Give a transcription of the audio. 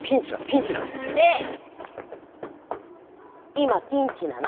今ピンチなの？